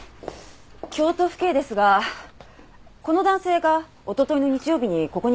京都府警ですがこの男性がおとといの日曜日にここに来ませんでしたか？